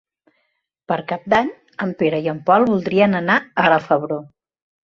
Per Cap d'Any en Pere i en Pol voldrien anar a la Febró.